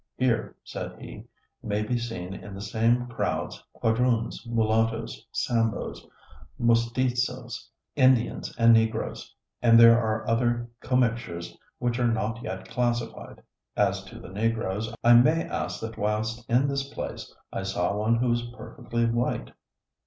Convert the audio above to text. "Here," said he, "may be seen in the same crowds, Quadroons, mulattoes, Samboes, Mustizos, Indians, and Negroes; and there are other commixtures which are not yet classified. As to the Negroes, I may add that whilst in this place I saw one who was perfectly white.